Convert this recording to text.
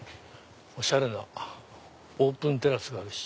おしゃれなオープンテラスがあるし。